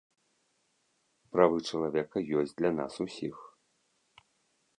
Правы чалавека ёсць для нас усіх.